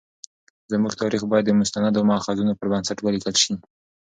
زموږ تاریخ باید د مستندو مأخذونو پر بنسټ ولیکل شي.